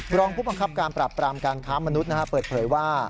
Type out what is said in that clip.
รองผู้บังคับการปรับปรามการค้ามนุษย์เปิดเผยว่า